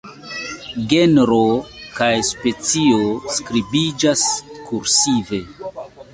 Genro kaj specio skribiĝas kursive.